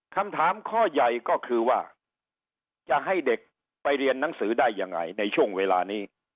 คำถามข้อใหญ่ก็คือว่าจะให้เด็กไปเรียนหนังสือได้ยังไงในช่วงเวลานี้